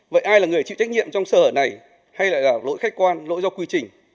vậy ai là người chịu trách nhiệm trong sở này hay là lỗi khách quan lỗi do quy trình